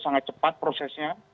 sangat cepat prosesnya